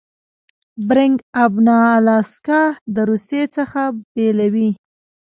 بیرنګ آبنا الاسکا د روسي څخه بیلوي.